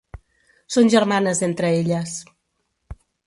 Són germanes entre elles.